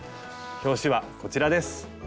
表紙はこちらです。